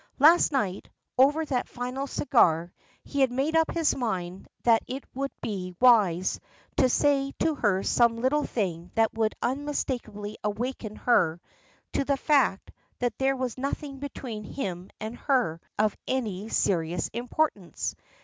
Last night, over that final cigar, he had made up his mind that it would be wise to say to her some little thing that would unmistakably awaken her to the fact that there was nothing between him and her of any serious importance.